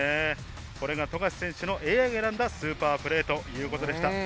これが富樫選手のＡＩが選んだスーパープレーということでした。